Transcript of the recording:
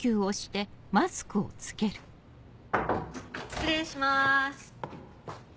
失礼します。